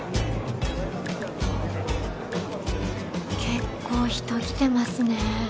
結構人来てますね。